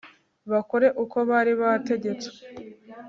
bakore uko bari bategetswe